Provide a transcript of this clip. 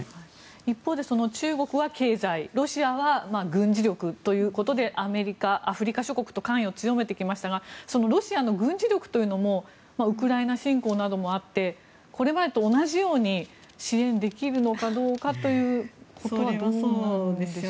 一方で中国は経済ロシアは軍事力ということでアフリカ諸国と関与を強めてきましたがそのロシアの軍事力というのもウクライナ侵攻などもあってこれまでと同じように支援できるのかどうかということはどうなんでしょうか。